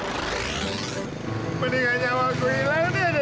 gara gara buku kredit lu